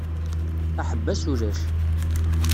Aḥebbas ulac.